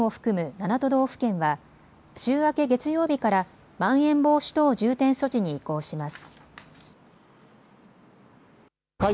７都道府県は週明け月曜日からまん延防止等重点措置に移行します。